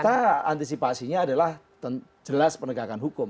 kita antisipasinya adalah jelas penegakan hukum